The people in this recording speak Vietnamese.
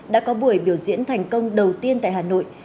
đã có buổi biểu diễn thành công đầu tiên tại hà nội